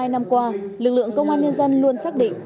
bảy mươi hai năm qua lực lượng công an nhân dân luôn xác định